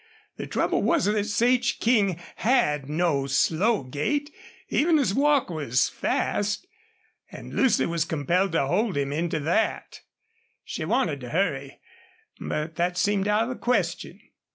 The trouble was that Sage King had no slow gait, even his walk was fast. And Lucy was compelled to hold him into that. She wanted to hurry, but that seemed out of the question.